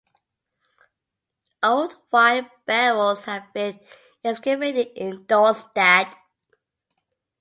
Old wine barrels have been excavated in Dorestad.